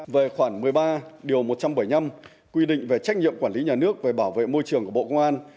về khoảng một mươi ba điều một trăm bảy mươi năm quy định về trách nhiệm quản lý nhà nước về bảo vệ môi trường của bộ công an